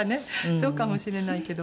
そうかもしれないけど。